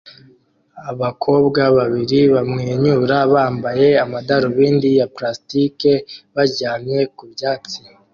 Abakobwa babiri bamwenyura bambaye amadarubindi ya plastike baryamye ku byatsi